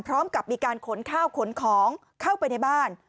พร้อมกับมีการขนข้าวขนของเข้าไปในบ้าน